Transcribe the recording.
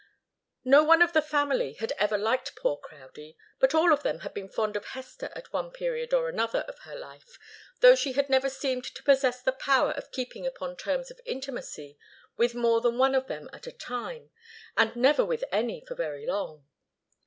No one of the family had ever liked poor Crowdie, but all of them had been fond of Hester at one period or another of her life, though she had never seemed to possess the power of keeping upon terms of intimacy with more than one of them at a time, and never with any for very long.